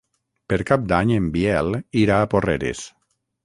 Per Cap d'Any en Biel irà a Porreres.